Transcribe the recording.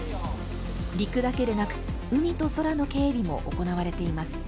陸だけでなく、海と空の警備も行われています。